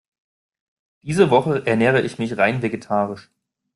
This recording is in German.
Diese Woche ernähre ich mich rein vegetarisch.